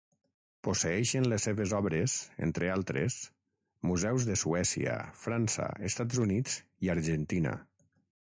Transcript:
Posseeixen les seves obres, entre altres, museus de Suècia, França, Estats Units i Argentina.